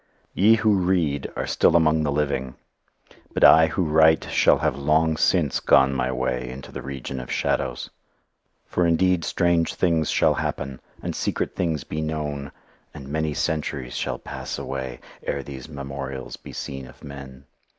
Ye who read are still among the living; but I who write shall have long since gone my way into the region of shadows. For indeed strange things shall happen, and secret things be known, and many centuries shall pass away, ere these memorials be seen of men.